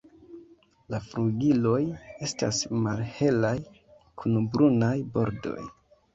La flugiloj estas malhelaj kun brunaj bordoj.